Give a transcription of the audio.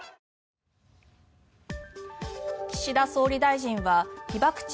岸田総理大臣は被爆地